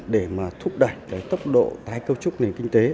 để thúc đẩy tốc độ tái cấu trúc nền kinh tế